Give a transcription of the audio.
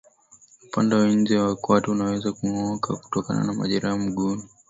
Upande wa nje wa kwato unaweza kung'ooka kutokana na majeraha mguuni